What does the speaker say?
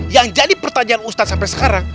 yang jadi pertanyaan ustadz sampai sekarang